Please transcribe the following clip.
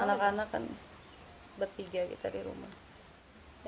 anak anak kan bertiga kita di rumah